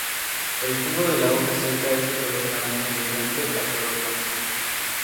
El jugo de la hoja seca es de color naranja brillante a color marrón.